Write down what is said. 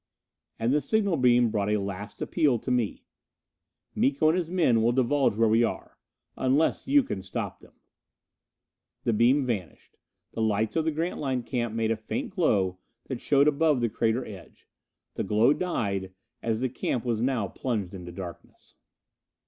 _" And the signal beam brought a last appeal to me: "Miko and his men will divulge where we are. Unless you can stop them " The beam vanished. The lights of the Grantline camp made a faint glow that showed above the crater edge. The glow died, as the camp now was plunged into darkness.